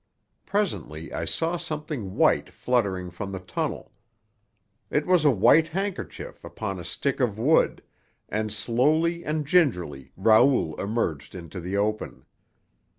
Presently I saw something white fluttering from the tunnel. It was a white handkerchief upon a stick of wood, and slowly and gingerly Raoul emerged into the open.